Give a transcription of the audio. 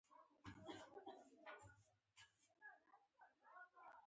زړه مې درد وکړ.